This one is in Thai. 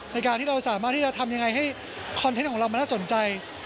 ในการที่เราสามารถที่จะทำยังไงให้คอนเทนต์ของเรามันน่าสนใจ